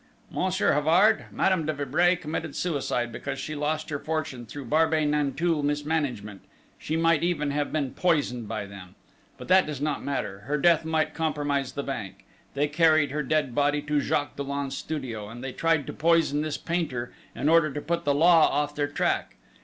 "Monsieur Havard, Madame de Vibray committed suicide because she lost her fortune through Barbey Nanteuil mismanagement she might even have been poisoned by them! But that does not matter! Her death might compromise the Bank: they carried her dead body to Jacques Dollon's studio, and they tried to poison this painter, in order to put the law off their track.